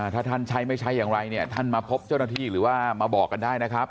ถ้าท่านใช้ไม่ใช่อย่างไรเนี่ยท่านมาพบเจ้าหน้าที่หรือว่ามาบอกกันได้นะครับ